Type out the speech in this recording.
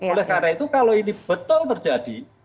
oleh karena itu kalau ini betul terjadi